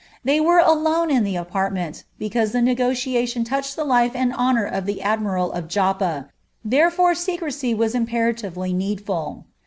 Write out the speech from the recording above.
They were alone in the apartment, because the nego ached the life and honour of the admiral of Joppa, therefore as imperatively needful.